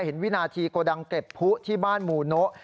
วินาทีโกดังเก็บผู้ที่บ้านหมู่โนะ